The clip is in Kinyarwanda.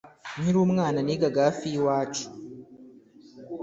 Nkiri umwana nigaga hafi yiwacu